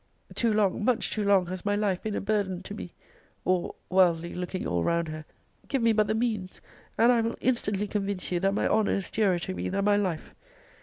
Too long, much too long has my life been a burden to me! Or, (wildly looking all round her,) give me but the means, and I will instantly convince you that my honour is dearer to me than my life!